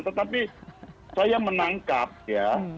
tetapi saya menangkap ya